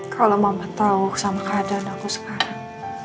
kalau mama tahu sama keadaan aku sekarang